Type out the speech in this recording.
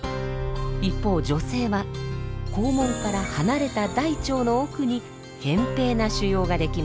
一方女性は肛門から離れた大腸の奧にへん平な腫瘍が出来ます。